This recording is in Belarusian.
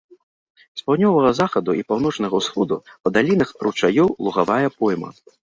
З паўднёвага захаду і паўночнага ўсходу па далінах ручаёў лугавая пойма.